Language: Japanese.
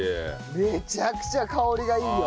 めちゃくちゃ香りがいいよ。